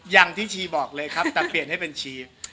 อย่างที่ชีบอกเลยครับแต่เปลี่ยนให้เป็นชี